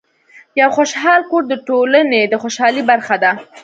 یو خوشحال کور د ټولنې د خوشحالۍ برخه ده.